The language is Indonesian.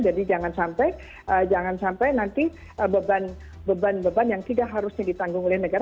jadi jangan sampai nanti beban beban yang tidak harusnya ditanggung oleh negara